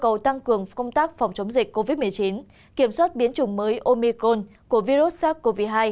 cầu tăng cường công tác phòng chống dịch covid một mươi chín kiểm soát biến chủng mới omicron của virus sars cov hai